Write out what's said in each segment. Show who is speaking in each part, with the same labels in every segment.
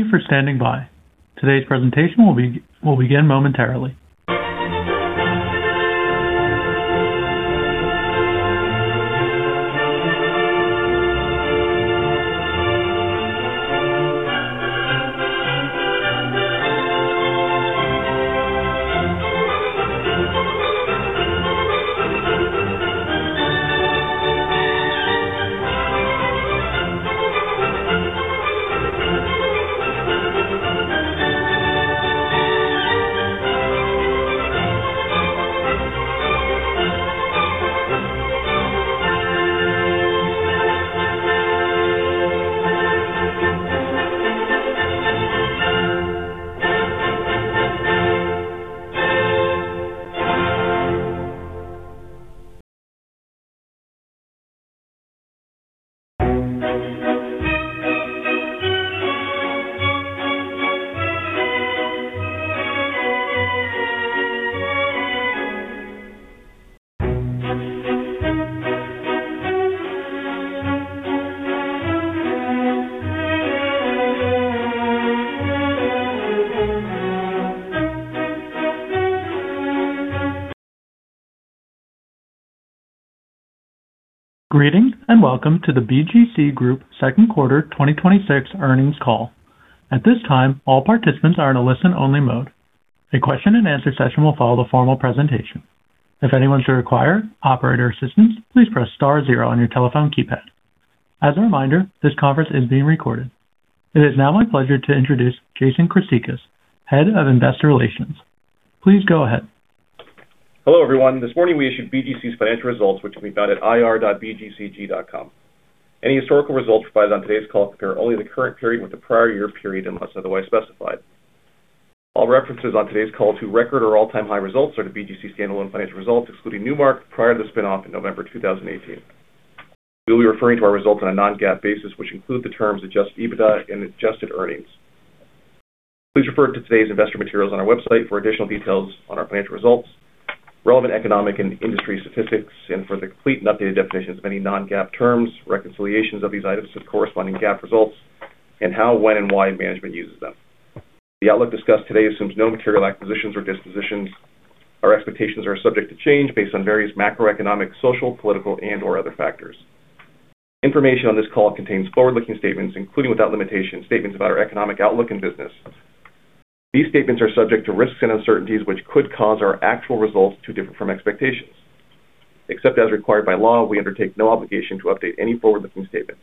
Speaker 1: Thank you for standing by. Today's presentation will begin momentarily. Greetings, and welcome to the BGC Group second quarter 2026 earnings call. At this time, all participants are in a listen-only mode. A question and answer session will follow the formal presentation. If anyone should require operator assistance, please press star zero on your telephone keypad. As a reminder, this conference is being recorded. It is now my pleasure to introduce Jason Chryssicas, Head of Investor Relations. Please go ahead.
Speaker 2: Hello, everyone. This morning we issued BGC's financial results, which can be found at ir.bgcg.com. Any historical results provided on today's call compare only the current period with the prior year period, unless otherwise specified. All references on today's call to record or all-time high results are to BGC standalone financial results, excluding Newmark, prior to the spin-off in November 2018. We'll be referring to our results on a non-GAAP basis, which include the terms adjusted EBITDA and adjusted earnings. Please refer to today's investor materials on our website for additional details on our financial results, relevant economic and industry statistics, and for the complete and updated definitions of any non-GAAP terms, reconciliations of these items to corresponding GAAP results, and how, when, and why management uses them. The outlook discussed today assumes no material acquisitions or dispositions. Our expectations are subject to change based on various macroeconomic, social, political, and/or other factors. Information on this call contains forward-looking statements, including, without limitation, statements about our economic outlook and business. These statements are subject to risks and uncertainties which could cause our actual results to differ from expectations. Except as required by law, we undertake no obligation to update any forward-looking statements.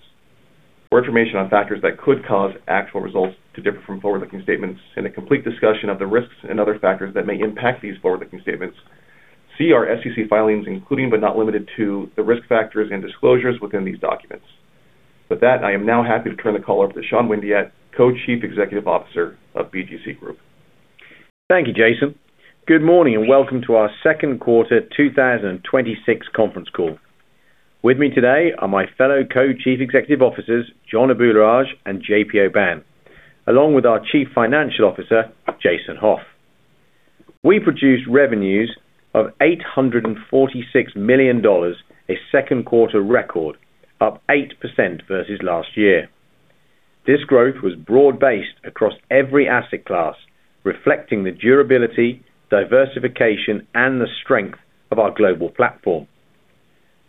Speaker 2: For information on factors that could cause actual results to differ from forward-looking statements and a complete discussion of the risks and other factors that may impact these forward-looking statements, see our SEC filings, including, but not limited to, the risk factors and disclosures within these documents. With that, I am now happy to turn the call over to Sean Windeatt, Co-Chief Executive Officer of BGC Group.
Speaker 3: Thank you, Jason. Good morning, and welcome to our second quarter 2026 conference call. With me today are my fellow Co-Chief Executive Officers, John Abularrage and JP Aubin, along with our Chief Financial Officer, Jason Hauf. We produced revenues of $846 million, a second quarter record, up 8% versus last year. This growth was broad-based across every asset class, reflecting the durability, diversification, and the strength of our global platform.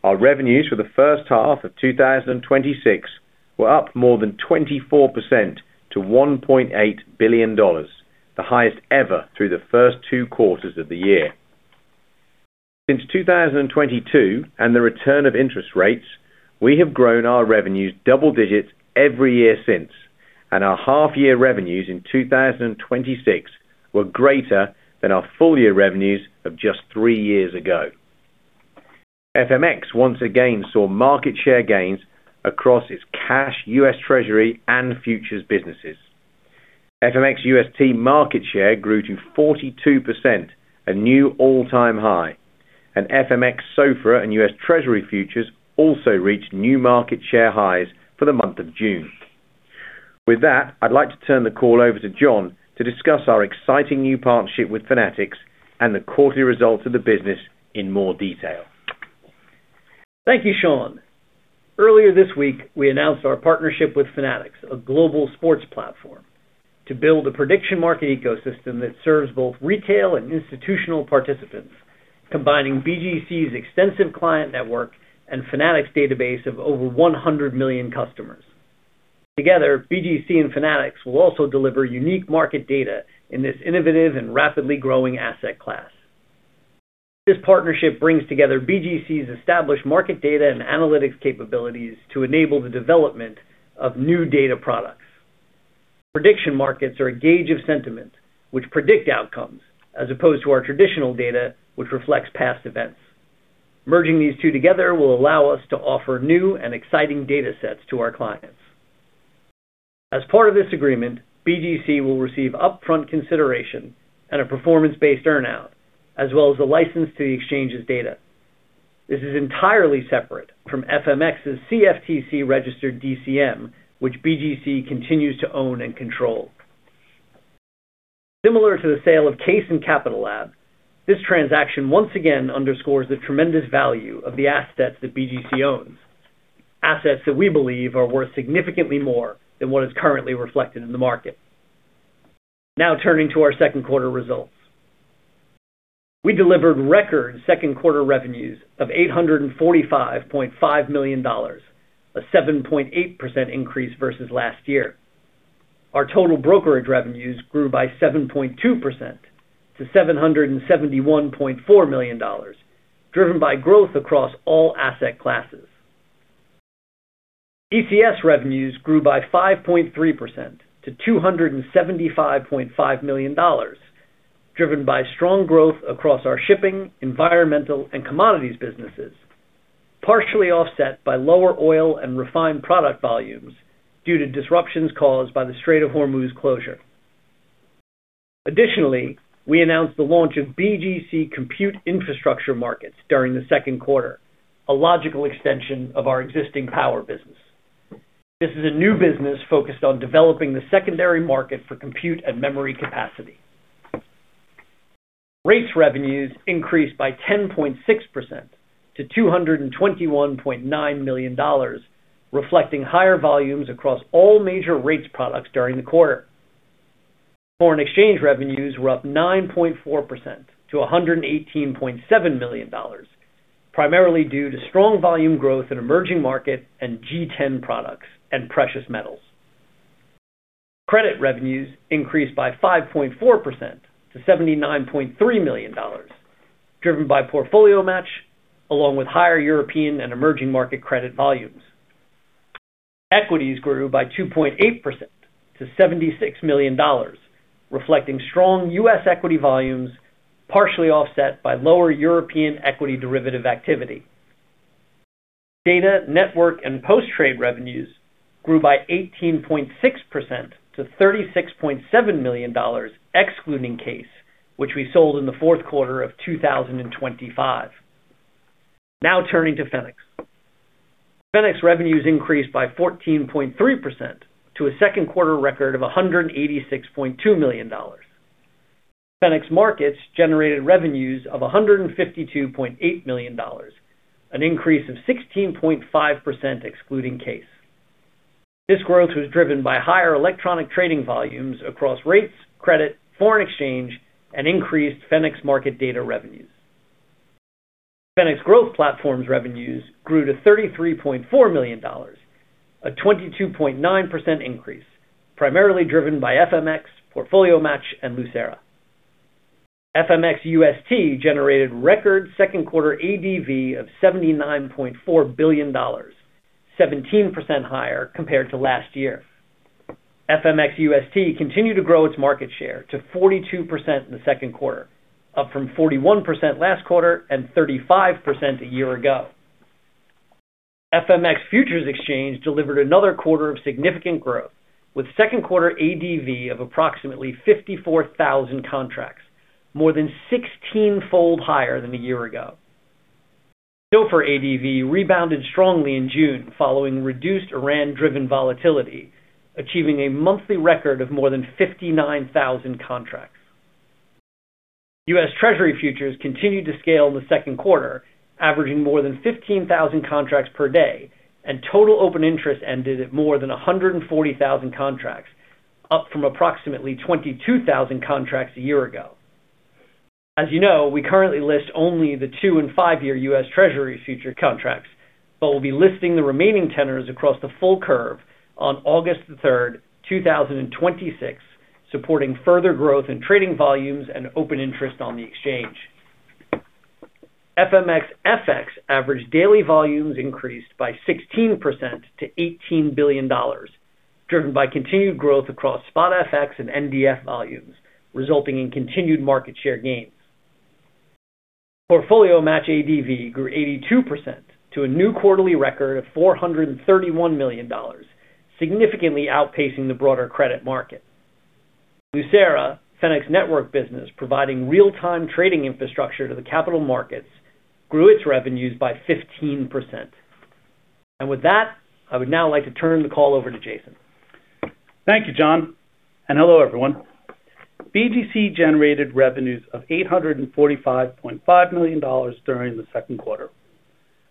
Speaker 3: Our revenues for the first half of 2026 were up more than 24% to $1.8 billion, the highest ever through the first two quarters of the year. Since 2022 and the return of interest rates, we have grown our revenues double digits every year since. Our half-year revenues in 2026 were greater than our full-year revenues of just three years ago. FMX once again saw market share gains across its cash, U.S. Treasury, and futures businesses. FMX U.S. Treasury market share grew to 42%, a new all-time high. FMX SOFR and U.S. Treasury futures also reached new market share highs for the month of June. With that, I'd like to turn the call over to John to discuss our exciting new partnership with Fanatics and the quarterly results of the business in more detail.
Speaker 4: Thank you, Sean. Earlier this week, we announced our partnership with Fanatics, a global sports platform, to build a prediction market ecosystem that serves both retail and institutional participants, combining BGC's extensive client network and Fanatics' database of over 100 million customers. Together, BGC and Fanatics will also deliver unique market data in this innovative and rapidly growing asset class. This partnership brings together BGC's established market data and analytics capabilities to enable the development of new data products. Prediction markets are a gauge of sentiment which predict outcomes as opposed to our traditional data, which reflects past events. Merging these two together will allow us to offer new and exciting data sets to our clients. As part of this agreement, BGC will receive upfront consideration and a performance-based earn-out, as well as the license to the exchange's data. This is entirely separate from FMX's CFTC-registered DCM, which BGC continues to own and control. Similar to the sale of kACE and Capitalab, this transaction once again underscores the tremendous value of the assets that BGC owns, assets that we believe are worth significantly more than what is currently reflected in the market. Now turning to our second quarter results. We delivered record second-quarter revenues of $845.5 million, a 7.8% increase versus last year. Our total brokerage revenues grew by 7.2% to $771.4 million, driven by growth across all asset classes. ECS revenues grew by 5.3% to $275.5 million, driven by strong growth across our shipping, environmental, and commodities businesses, partially offset by lower oil and refined product volumes due to disruptions caused by the Strait of Hormuz closure. Additionally, we announced the launch of BGC Compute Infrastructure Markets during the second quarter, a logical extension of our existing power business. This is a new business focused on developing the secondary market for compute and memory capacity. Rates revenues increased by 10.6% to $221.9 million, reflecting higher volumes across all major rates products during the quarter. Foreign exchange revenues were up 9.4% to $118.7 million, primarily due to strong volume growth in emerging market and G10 products and precious metals. Credit revenues increased by 5.4% to $79.3 million, driven by PortfolioMatch, along with higher European and emerging market credit volumes. Equities grew by 2.8% to $76 million, reflecting strong U.S. equity volumes, partially offset by lower European equity derivative activity. Data, network, and post-trade revenues grew by 18.6% to $36.7 million, excluding kACE, which we sold in the fourth quarter of 2025. Now turning to Fenics. FENICS revenues increased by 14.3% to a second-quarter record of $186.2 million. FENICS Markets generated revenues of $152.8 million, an increase of 16.5%, excluding kACE. This growth was driven by higher electronic trading volumes across rates, credit, foreign exchange, and increased FENICS market data revenues. FENICS Growth Platforms revenues grew to $33.4 million, a 22.9% increase, primarily driven by FMX, PortfolioMatch, and Lucera. FMX UST generated record second-quarter ADV of $79.4 billion, 17% higher compared to last year. FMX UST continued to grow its market share to 42% in the second quarter, up from 41% last quarter and 35% a year ago. FMX Futures Exchange delivered another quarter of significant growth, with second-quarter ADV of approximately 54,000 contracts, more than sixteenfold higher than a year ago. SOFR ADV rebounded strongly in June following reduced Iran-driven volatility, achieving a monthly record of more than 59,000 contracts. U.S. Treasury futures continued to scale in the second quarter, averaging more than 15,000 contracts per day, and total open interest ended at more than 140,000 contracts, up from approximately 22,000 contracts a year ago. As you know, we currently list only the two and five-year U.S. Treasury future contracts, but we will be listing the remaining tenors across the full curve on August 3, 2026, supporting further growth in trading volumes and open interest on the exchange. FMX FX average daily volumes increased by 16% to $18 billion, driven by continued growth across spot FX and NDF volumes, resulting in continued market share gains. PortfolioMatch ADV grew 82% to a new quarterly record of $431 million, significantly outpacing the broader credit market. Lucera, FENICS network business providing real-time trading infrastructure to the capital markets, grew its revenues by 15%. With that, I would now like to turn the call over to Jason.
Speaker 5: Thank you, John, and hello, everyone. BGC generated revenues of $845.5 million during the second quarter.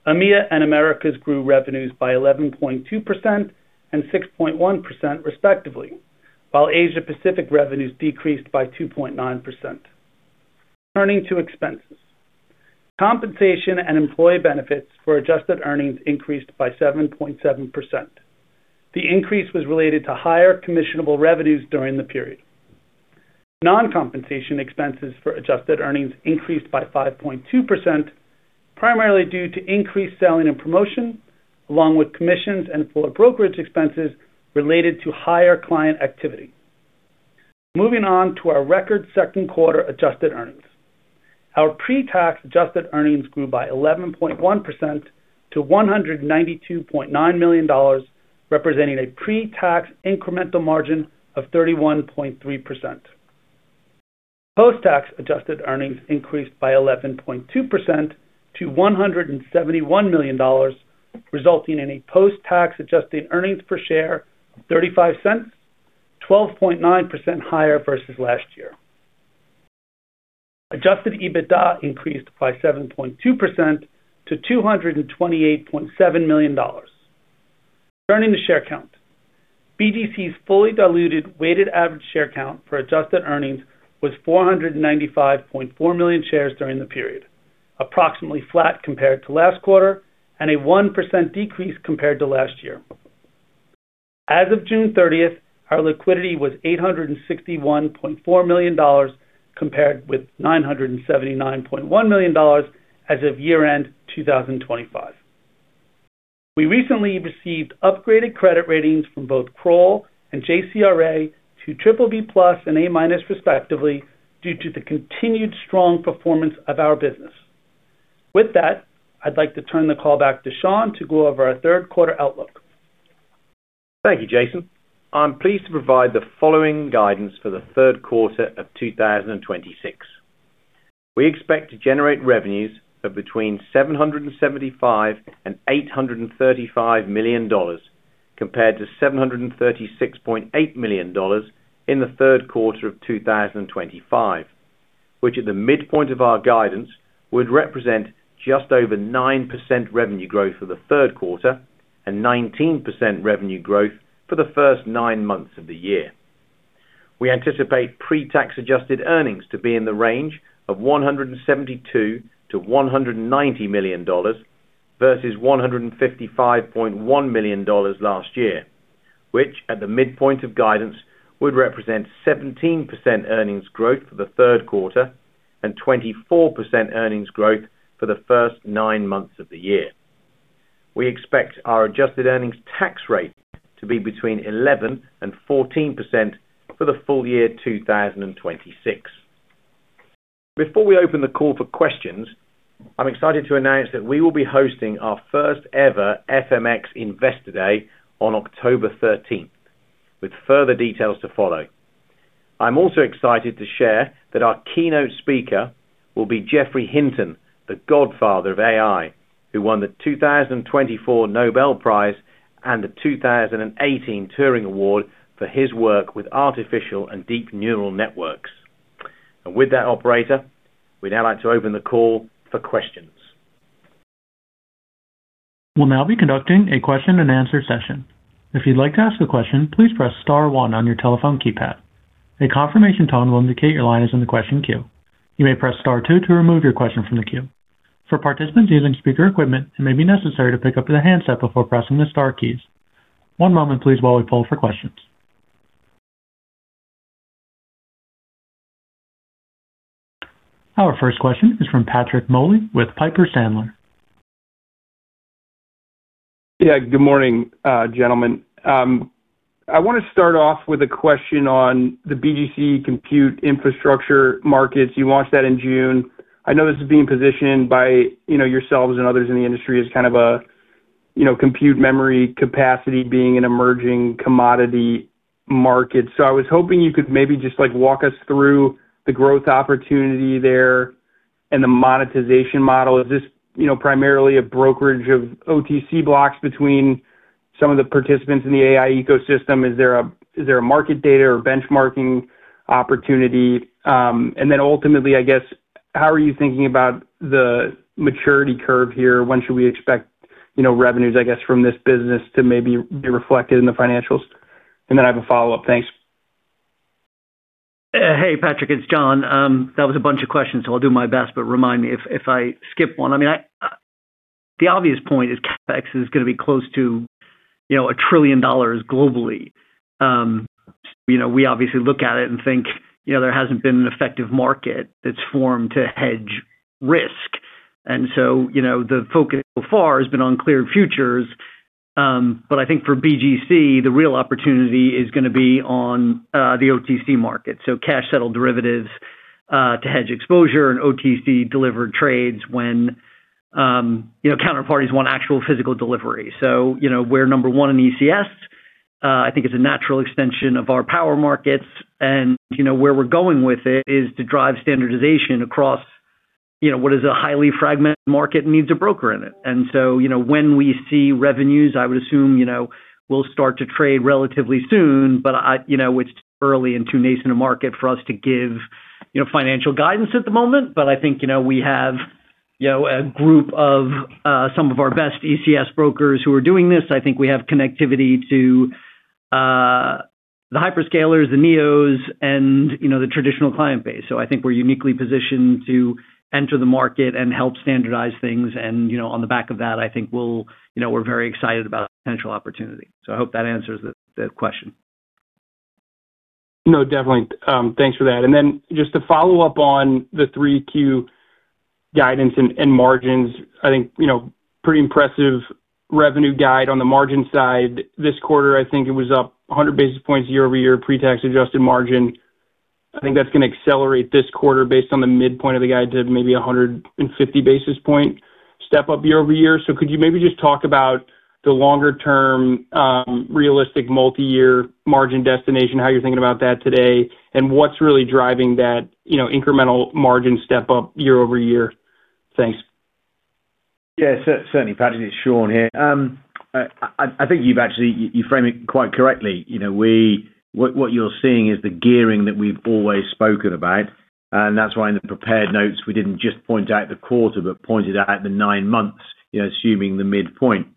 Speaker 5: EMEA and Americas grew revenues by 11.2% and 6.1% respectively, while Asia-Pacific revenues decreased by 2.9%. Turning to expenses. Compensation and employee benefits for adjusted earnings increased by 7.7%. The increase was related to higher commissionable revenues during the period. Non-compensation expenses for adjusted earnings increased by 5.2%, primarily due to increased selling and promotion, along with commissions and floor brokerage expenses related to higher client activity. Moving on to our record second-quarter adjusted earnings. Our pre-tax adjusted earnings grew by 11.1% to $192.9 million, representing a pre-tax incremental margin of 31.3%. Post-tax adjusted earnings increased by 11.2% to $171 million, resulting in a post-tax adjusted earnings per share of $0.35, 12.9% higher versus last year. Adjusted EBITDA increased by 7.2% to $228.7 million. Turning to share count. BGC's fully diluted weighted average share count for adjusted earnings was 495.4 million shares during the period, approximately flat compared to last quarter, and a 1% decrease compared to last year. As of June 30th, our liquidity was $861.4 million, compared with $979.1 million as of year-end 2025. We recently received upgraded credit ratings from both Kroll and JCRA to BBB+ and A- respectively, due to the continued strong performance of our business. With that, I'd like to turn the call back to Sean to go over our third quarter outlook.
Speaker 3: Thank you, Jason. I'm pleased to provide the following guidance for the third quarter of 2026. We expect to generate revenues of between $775 and $835 million, compared to $736.8 million in the third quarter of 2025, which at the midpoint of our guidance would represent just over 9% revenue growth for the third quarter and 19% revenue growth for the first nine months of the year. We anticipate pre-tax adjusted earnings to be in the range of $172 million-$190 million versus $155.1 million last year, which, at the midpoint of guidance, would represent 17% earnings growth for the third quarter and 24% earnings growth for the first nine months of the year. We expect our adjusted earnings tax rate to be between 11% and 14% for the full year 2026. Before we open the call for questions, I'm excited to announce that we will be hosting our first ever FMX Investor Day on October 13th, with further details to follow. I'm also excited to share that our keynote speaker will be Geoffrey Hinton, the godfather of AI, who won the 2024 Nobel Prize and the 2018 Turing Award for his work with artificial and deep neural networks. With that operator, we'd now like to open the call for questions.
Speaker 1: We'll now be conducting a question and answer session. If you'd like to ask a question, please press star one on your telephone keypad. A confirmation tone will indicate your line is in the question queue. You may press star two to remove your question from the queue. For participants using speaker equipment, it may be necessary to pick up the handset before pressing the star keys. One moment, please, while we poll for questions. Our first question is from Patrick Moley with Piper Sandler.
Speaker 6: Yeah. Good morning, gentlemen. I want to start off with a question on the BGC Compute Infrastructure Markets. You launched that in June. I know this is being positioned by yourselves and others in the industry as kind of a compute memory capacity being an emerging commodity market. I was hoping you could maybe just walk us through the growth opportunity there and the monetization model. Is this primarily a brokerage of OTC blocks between some of the participants in the AI ecosystem? Is there a market data or benchmarking opportunity? Ultimately, I guess, how are you thinking about the maturity curve here? When should we expect revenues, I guess, from this business to maybe be reflected in the financials? I have a follow-up. Thanks.
Speaker 4: Hey, Patrick. It's John. That was a bunch of questions, I'll do my best. Remind me if I skip one. The obvious point is CapEx is going to be close to $1 trillion globally. We obviously look at it and think there hasn't been an effective market that's formed to hedge risk. The focus so far has been on clearing futures. I think for BGC, the real opportunity is going to be on the OTC market. Cash-settled derivatives to hedge exposure and OTC-delivered trades when counterparties want actual physical delivery. We're number one in ECS. I think it's a natural extension of our power markets. Where we're going with it is to drive standardization across what is a highly fragmented market and needs a broker in it. When we see revenues, I would assume we'll start to trade relatively soon, it's early and too nascent a market for us to give financial guidance at the moment. I think we have a group of some of our best ECS brokers who are doing this. I think we have connectivity to the hyperscalers, the neobanks, and the traditional client base. I think we're uniquely positioned to enter the market and help standardize things. On the back of that, I think we're very excited about the potential opportunity. I hope that answers the question.
Speaker 6: No, definitely. Thanks for that. Just to follow up on the 3Q guidance and margins, I think pretty impressive revenue guide on the margin side this quarter. I think it was up 100 basis points year-over-year pre-tax adjusted margin. I think that's going to accelerate this quarter based on the midpoint of the guide to maybe 150 basis points step-up year-over-year. Could you maybe just talk about the longer-term realistic multi-year margin destination, how you're thinking about that today, and what's really driving that incremental margin step-up year-over-year? Thanks.
Speaker 3: Certainly, Patrick, it's Sean here. I think you've actually framed it quite correctly. What you're seeing is the gearing that we've always spoken about, that's why in the prepared notes, we didn't just point out the quarter, but pointed out the nine months, assuming the midpoint.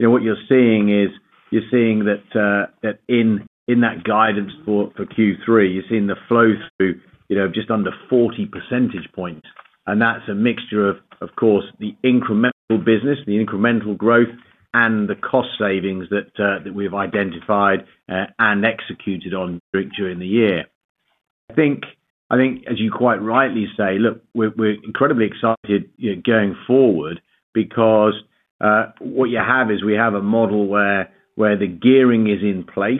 Speaker 3: What you're seeing is, you're seeing that in that guidance for Q3, you're seeing the flow-through of just under 40 percentage points. That's a mixture, of course, the incremental business, the incremental growth, and the cost savings that we've identified and executed on during the year. I think, as you quite rightly say, look, we're incredibly excited going forward because what you have is we have a model where the gearing is in place.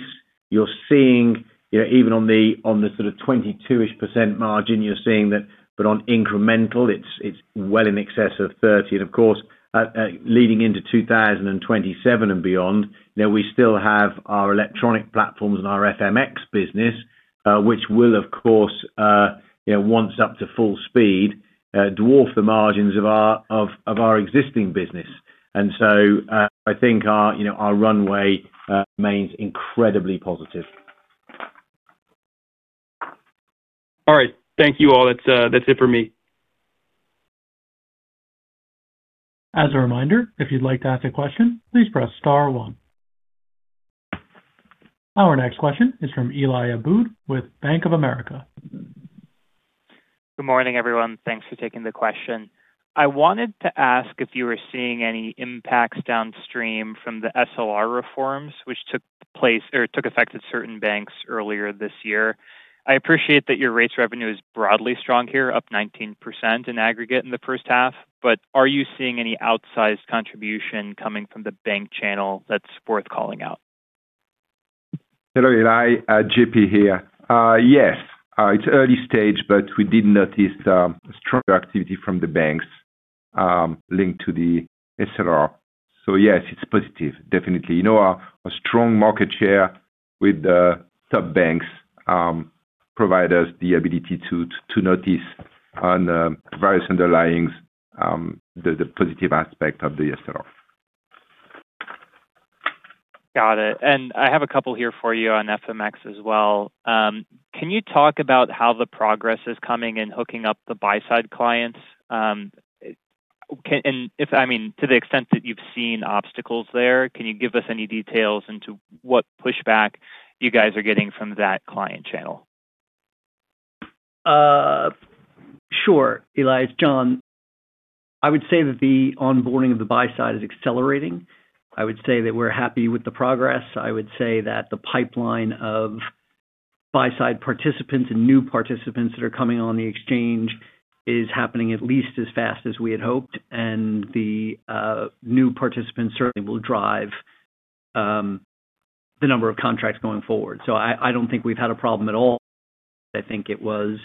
Speaker 3: You're seeing even on the sort of 22-ish% margin, you're seeing that, but on incremental, it's well in excess of 30%. Of course, leading into 2027 and beyond, we still have our electronic platforms and our FMX business, which will, of course, once up to full speed, dwarf the margins of our existing business. So, I think our runway remains incredibly positive.
Speaker 6: All right. Thank you all. That's it for me.
Speaker 1: As a reminder, if you'd like to ask a question, please press star one. Our next question is from Eli Abboud with Bank of America.
Speaker 7: Good morning, everyone. Thanks for taking the question. I wanted to ask if you were seeing any impacts downstream from the SLR reforms, which took place or took effect at certain banks earlier this year. I appreciate that your rates revenue is broadly strong here, up 19% in aggregate in the first half. Are you seeing any outsized contribution coming from the bank channel that's worth calling out?
Speaker 8: Hello, Eli. JP here. Yes. It's early stage, but we did notice stronger activity from the banks, linked to the SLR. Yes, it's positive, definitely. Our strong market share with the sub-banks provide us the ability to notice on the various underlyings, the positive aspect of the SLR.
Speaker 7: Got it. I have a couple here for you on FMX as well. Can you talk about how the progress is coming in hooking up the buy-side clients? To the extent that you've seen obstacles there, can you give us any details into what pushback you guys are getting from that client channel?
Speaker 4: Sure. Eli, it's John. I would say that the onboarding of the buy side is accelerating. I would say that we're happy with the progress. I would say that the pipeline of buy-side participants and new participants that are coming on the exchange is happening at least as fast as we had hoped, and the new participants certainly will drive the number of contracts going forward. I don't think we've had a problem at all. I think it was,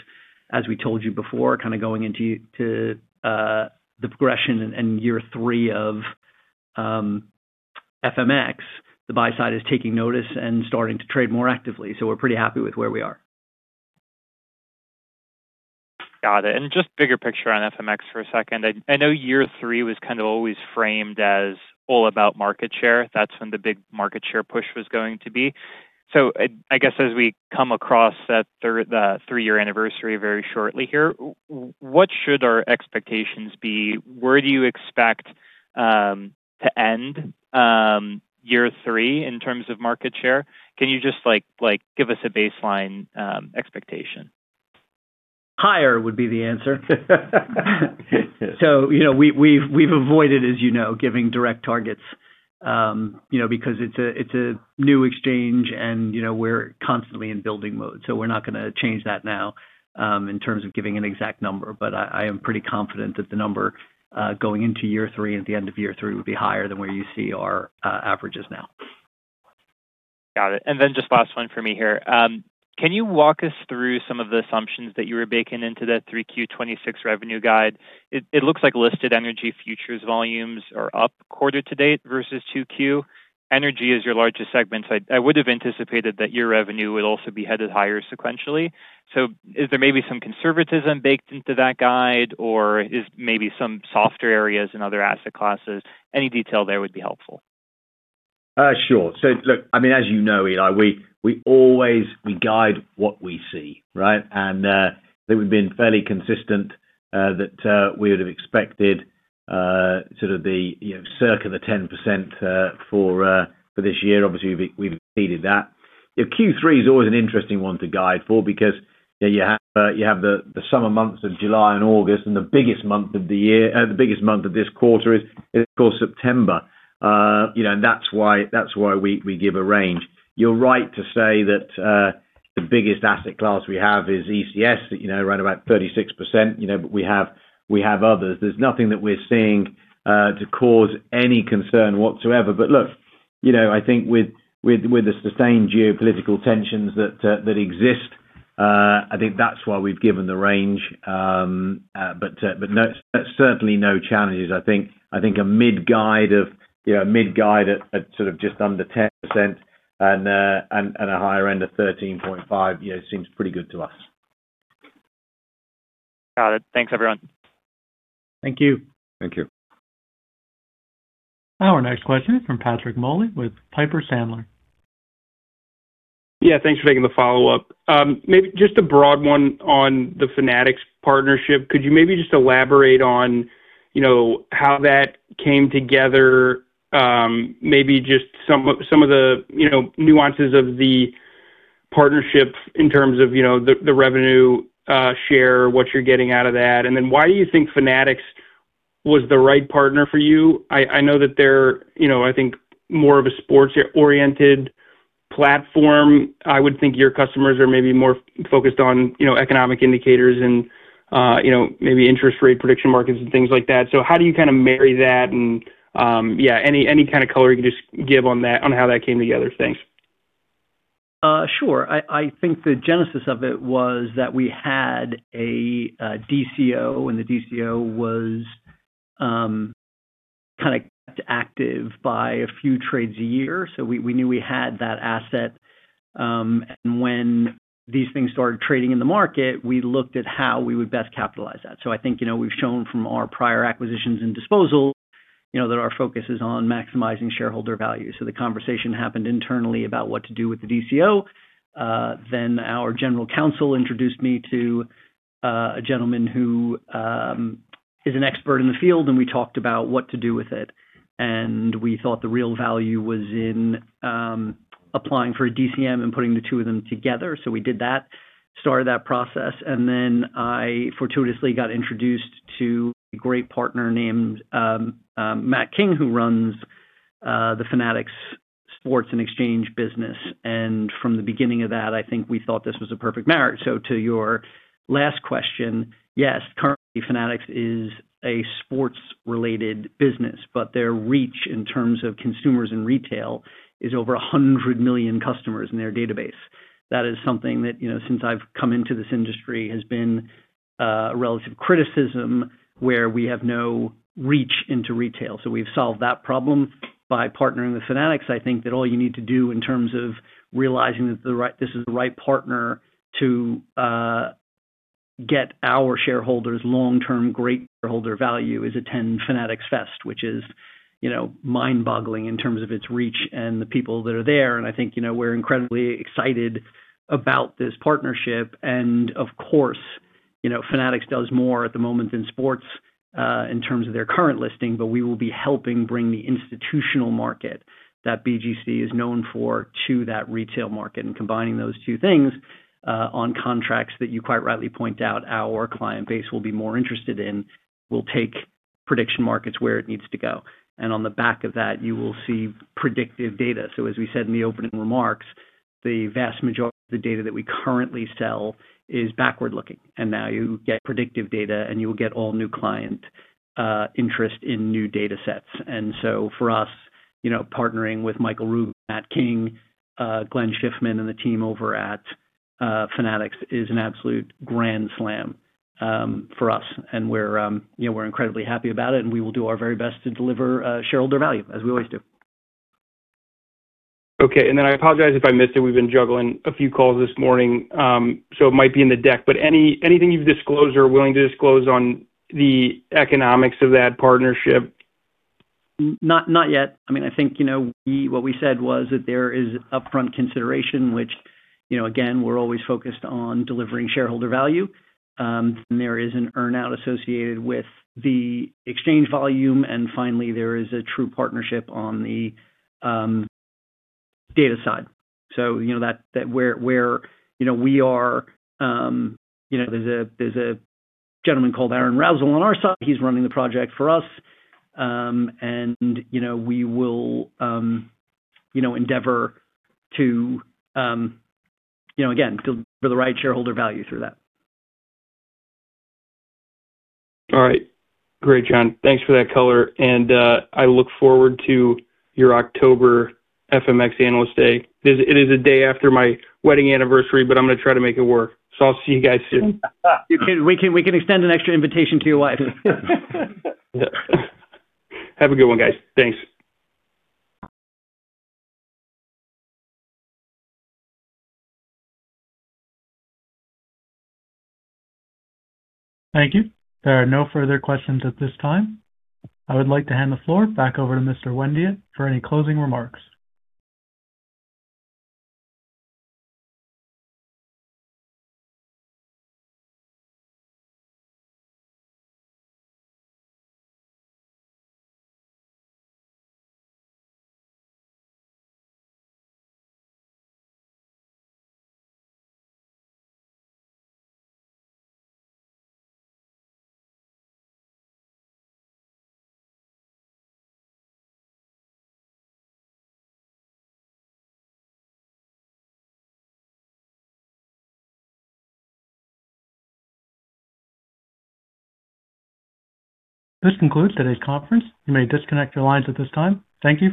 Speaker 4: as we told you before, kind of going into the progression in year three of FMX. The buy side is taking notice and starting to trade more actively, we're pretty happy with where we are.
Speaker 7: Got it. Just bigger picture on FMX for a second. I know year three was kind of always framed as all about market share. That's when the big market share push was going to be. I guess as we come across that three-year anniversary very shortly here, what should our expectations be? Where do you expect to end year three in terms of market share? Can you just give us a baseline expectation?
Speaker 4: Higher would be the answer. We've avoided, as you know, giving direct targets because it's a new exchange, and we're constantly in building mode. We're not going to change that now, in terms of giving an exact number. I am pretty confident that the number, going into year three and at the end of year three, would be higher than where you see our averages now.
Speaker 7: Got it. Just last one for me here. Can you walk us through some of the assumptions that you were baking into that 3Q 2026 revenue guide? It looks like listed energy futures volumes are up quarter to date versus 2Q. Energy is your largest segment, so I would have anticipated that your revenue would also be headed higher sequentially. Is there maybe some conservatism baked into that guide, or is maybe some softer areas in other asset classes? Any detail there would be helpful.
Speaker 3: Sure. Look, as you know, Eli, we guide what we see, right? I think we've been fairly consistent that we would have expected sort of the circa the 10% for this year. Obviously, we've exceeded that. Q3 is always an interesting one to guide for because you have the summer months of July and August, and the biggest month of this quarter is, of course, September. That's why we give a range. You're right to say that the biggest asset class we have is ECS, right about 36%, but we have others. There's nothing that we're seeing to cause any concern whatsoever. Look, I think with the sustained geopolitical tensions that exist I think that's why we've given the range. Certainly no challenges. I think a mid guide of sort of just under 10% and a higher end of 13.5% seems pretty good to us.
Speaker 7: Got it. Thanks, everyone.
Speaker 4: Thank you.
Speaker 1: Our next question is from Patrick Moley with Piper Sandler.
Speaker 6: Thanks for taking the follow-up. Maybe just a broad one on the Fanatics partnership, could you maybe just elaborate on how that came together? Maybe just some of the nuances of the partnership in terms of the revenue share, what you're getting out of that. Why do you think Fanatics was the right partner for you? I know that they're more of a sports-oriented platform. I would think your customers are maybe more focused on economic indicators and maybe interest rate prediction markets and things like that. How do you kind of marry that and, yeah, any kind of color you can just give on how that came together? Thanks.
Speaker 4: Sure. I think the genesis of it was that we had a DCO, and the DCO was kind of kept active by a few trades a year, so we knew we had that asset. When these things started trading in the market, we looked at how we would best capitalize that. We've shown from our prior acquisitions and disposal that our focus is on maximizing shareholder value. The conversation happened internally about what to do with the DCO. Our general counsel introduced me to a gentleman who is an expert in the field, and we talked about what to do with it. We thought the real value was in applying for a DCM and putting the two of them together. We did that, started that process. I fortuitously got introduced to a great partner named Matt King, who runs the Fanatics Betting and Gaming business. From the beginning of that, we thought this was a perfect marriage. To your last question, yes, currently Fanatics is a sports-related business, but their reach in terms of consumers and retail is over 100 million customers in their database. That is something that, since I've come into this industry, has been a relative criticism where we have no reach into retail. We've solved that problem by partnering with Fanatics. All you need to do in terms of realizing that this is the right partner to get our shareholders long-term great shareholder value is attend Fanatics Fest, which is mind-boggling in terms of its reach and the people that are there. We're incredibly excited about this partnership. Fanatics does more at the moment in sports, in terms of their current listing, but we will be helping bring the institutional market that BGC is known for to that retail market. Combining those two things, on contracts that you quite rightly point out our client base will be more interested in, will take prediction markets where it needs to go. On the back of that, you will see predictive data. As we said in the opening remarks, the vast majority of the data that we currently sell is backward-looking. Now you get predictive data, and you will get all new client interest in new data sets. For us, partnering with Michael Rubin, Matt King, Glenn Schiffman, and the team over at Fanatics is an absolute grand slam for us. We're incredibly happy about it, and we will do our very best to deliver shareholder value, as we always do.
Speaker 6: Okay. I apologize if I missed it. We've been juggling a few calls this morning, it might be in the deck, anything you've disclosed or are willing to disclose on the economics of that partnership?
Speaker 4: Not yet. I think what we said was that there is upfront consideration, which again, we're always focused on delivering shareholder value. There is an earn-out associated with the exchange volume, and finally, there is a true partnership on the data side. There's a gentleman called Aaron Roussell on our side. He's running the project for us. We will endeavor to, again, build the right shareholder value through that.
Speaker 6: All right. Great, John. Thanks for that color, I look forward to your October FMX Investor Day. It is the day after my wedding anniversary, I'm going to try to make it work. I'll see you guys soon.
Speaker 4: We can extend an extra invitation to your wife.
Speaker 6: Have a good one, guys. Thanks.
Speaker 1: Thank you. There are no further questions at this time. I would like to hand the floor back over to Mr. Windeatt for any closing remarks. This concludes today's conference. You may disconnect your lines at this time. Thank you.